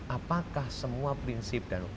apakah semua prinsip dan